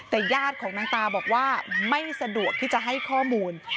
แต่ญาติของนางตาบอกว่าไม่สะดวกที่จะให้ข้อมูล